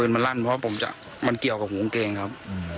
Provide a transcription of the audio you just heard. ปืนมันลั่นเพราะว่ามันเกี่ยวกับหูงเกงครับ